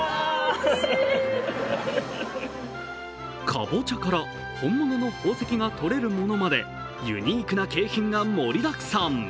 かぼちゃから本物の宝石が取れるものまでユニークな景品が盛りだくさん。